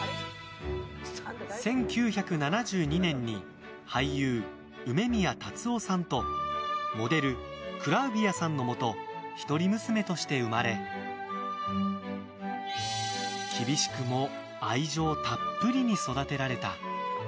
１９７２年に俳優・梅宮辰夫さんとモデル、クラウディアさんのもと一人娘として生まれ厳しくも愛情たっぷりに育てられた。